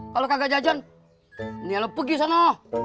kalau kagak jajan nih lo pergi sana